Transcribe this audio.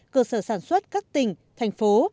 cơ sở sản xuất các tỉnh thành phố